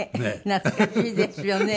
懐かしいですよね。